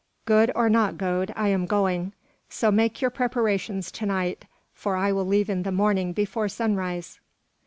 "Good or not, Gode, I am going. So make your preparations to night, for I will leave in the morning before sunrise."